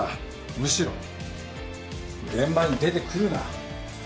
むしろ現場に出てくるな。